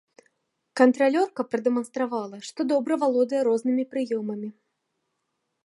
Кантралёрка прадэманстравала, што добра валодае рознымі прыёмамі.